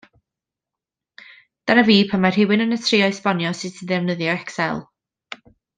Dyna fi pan mae rhywun yn trio esbonio sut i ddefnyddio Excel.